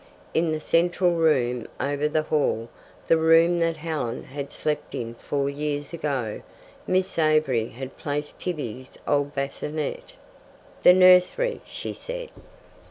In the central room over the hall, the room that Helen had slept in four years ago Miss Avery had placed Tibby's old bassinette. "The nursery," she said.